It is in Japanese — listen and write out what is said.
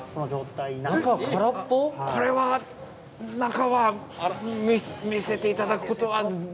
これは中は見せて頂くことは。